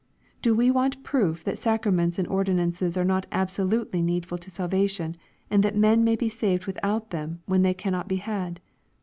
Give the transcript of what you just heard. Do we want proof that sacraments and ordinances are not absolutely needful to salvation, and that men may be saved without them when they cannot be had